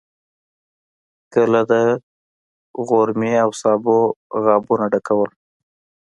کله د قورمې او سابو قابونه ډکول.